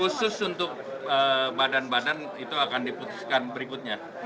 khusus untuk badan badan itu akan diputuskan berikutnya